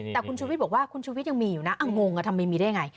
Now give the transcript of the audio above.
แต่คุณชุวิตบอกว่าคุณชุวิตยังมีอยู่นะอ่ะงงอ่ะทำไมมีได้ไง